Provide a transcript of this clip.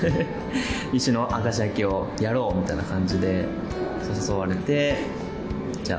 一緒に明石焼きをやろうみたいな感じで誘われてじゃあ